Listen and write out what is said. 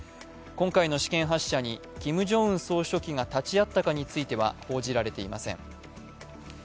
今回の試験発射にキム・ジョンウン総書記が立ち会ったかについては報じられていません。